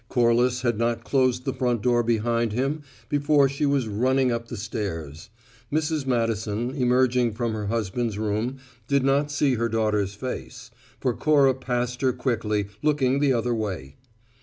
Corliss had not closed the front door behind him before she was running up the stairs. Mrs. Madison, emerging from her husband's room, did not see her daughter's face; for Cora passed her quickly, looking the other way.